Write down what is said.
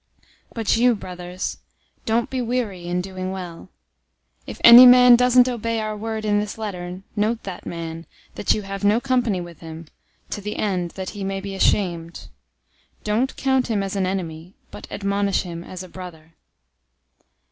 003:013 But you, brothers, don't be weary in doing well. 003:014 If any man doesn't obey our word in this letter, note that man, that you have no company with him, to the end that he may be ashamed. 003:015 Don't count him as an enemy, but admonish him as a brother.